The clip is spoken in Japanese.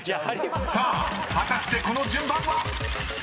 ［さあ果たしてこの順番は⁉］